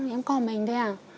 em có mình thôi à